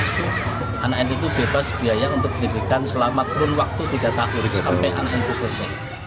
anak anak itu bebas biaya untuk pendidikan selama kurun waktu tiga tahun sampai anak itu selesai